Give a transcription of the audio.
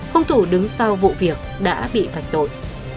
hùng thủ đứng sau vụ việc đã bị phạch tội